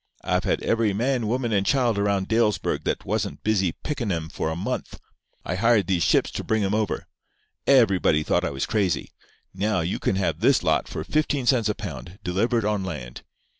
I've had every man, woman and child around Dalesburg that wasn't busy pickin' 'em for a month. I hired these ships to bring 'em over. Everybody thought I was crazy. Now, you can have this lot for fifteen cents a pound, delivered on land.